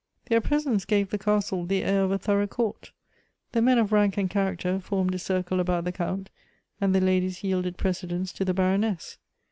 Their presence gave the castle the air of a thorough court. The men of rank and character formed a circle about the Count, and the ladies yielded precedence to the Baroness.